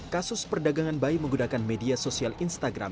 kasus perdagangan bayi menggunakan media sosial instagram